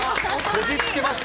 こじつけました。